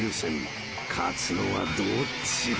［勝つのはどっちだ？］